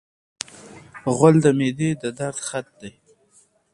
غول د معدې د درد خط دی.